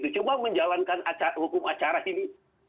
cuma menjalankan hukum acara ini